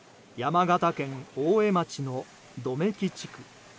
山形県大江町の百目木地区。